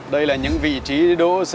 đây là những vị trí đỗ xe của họ là vi phạm